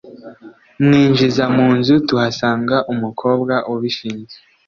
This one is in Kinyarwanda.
Mwinjiza mu nzu tuhasanga umukobwa ubishinzwe